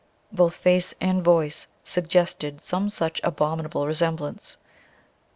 Both face and voice suggested some such abominable resemblance.